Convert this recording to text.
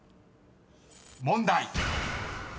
［問題］